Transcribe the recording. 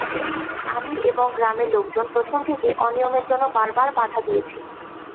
আমি এবং গ্রামের লোকজন প্রথম থেকেই অনিয়মের জন্য বারবার বাধা দিয়েছি।